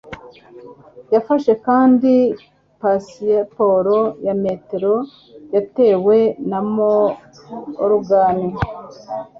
Yafashe kandi pasiporo ya metero yatewe na Morgan